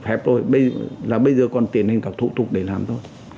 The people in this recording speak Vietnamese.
phép thôi là bây giờ còn tiền hình tạo thủ tục để làm thôi